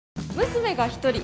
娘が１人。